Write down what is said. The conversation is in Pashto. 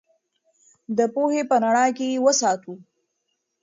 د پوهې په رڼا کې یې وساتو.